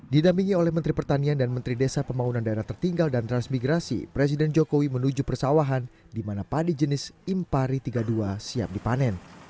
didampingi oleh menteri pertanian dan menteri desa pembangunan daerah tertinggal dan transmigrasi presiden jokowi menuju persawahan di mana padi jenis impari tiga puluh dua siap dipanen